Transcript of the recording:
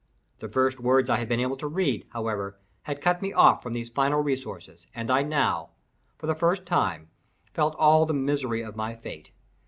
The few words I had been able to read, however, had cut me off from these final resources, and I now, for the first time, felt all the misery of my fate.